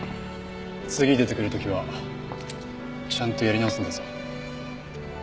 次出てくる時はちゃんとやり直すんだぞ。